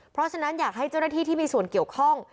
เพราะฉะนั้นอยากให้เจ้าหน้าที่ที่มีส่วนเกี่ยวข้อง